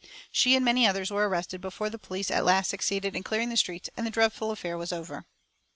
She and many others were arrested before the police at last succeeded in clearing the streets, and the dreadful affair was over.